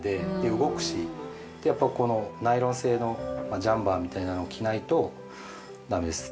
動くし、やっぱこのナイロン製のジャンパーみたいなのを着ないとだめです。